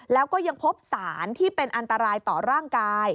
แล้วก็ยังพบสารที่เป็นอันตรายต่อร่างกาย